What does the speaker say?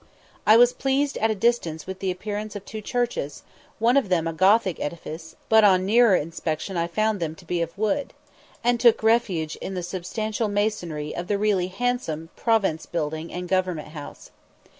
I was pleased at a distance with the appearance of two churches, one of them a Gothic edifice, but on nearer inspection I found them to be of wood, and took refuge in the substantial masonry of the really handsome Province Building and Government House.